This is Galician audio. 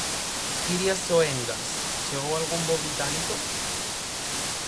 Iria Soengas, chegou algún voo británico?